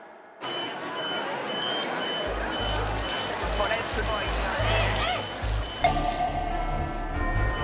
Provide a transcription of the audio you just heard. これすごいよね。